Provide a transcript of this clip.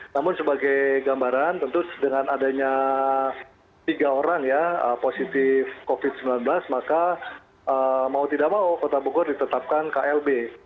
namun sebagai gambaran tentu dengan adanya tiga orang ya positif covid sembilan belas maka mau tidak mau kota bogor ditetapkan klb